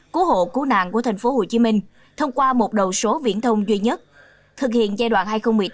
cứu hộ cứu nạn của tp hcm thông qua một đầu số viễn thông duy nhất thực hiện giai đoạn hai nghìn một mươi sáu hai nghìn hai mươi